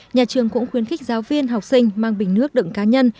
nhà trường cũng khuyến khích giáo viên học sinh mang bình nước đựng cá nhân